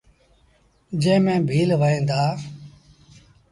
جݩهݩ ميݩ ڀيٚل روهيݩ دآ۔